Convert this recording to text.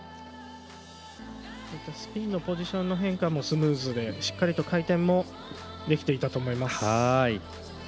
スピンのポジションの変化もスムーズでしっかり回転もできていたと思います。